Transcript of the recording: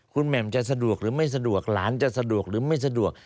คุณแหม่มจะสะดวกหรือไม่สะดวกหลานจะสะดวกหรือไม่สะดวก